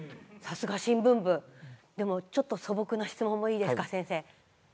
でもちょっと素朴な質問もいいですか先生。